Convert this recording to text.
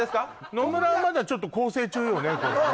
野村はまだちょっと更生中よね？